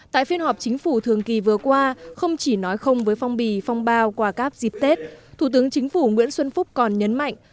tại phiên họp chính phủ thường kỳ vừa qua không chỉ nói không với phong bì phong bao quà cáp dịp tết thủ tướng chính phủ nguyễn xuân phúc còn nhấn mạnh